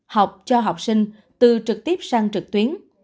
học cho học sinh từ trực tiếp sang trực tuyến